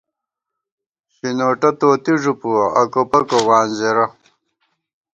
شِنوٹہ توتی ݫُو پُوَہ، اکوپکو وانزېرہ